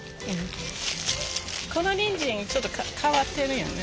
このにんじんちょっと変わってるよね。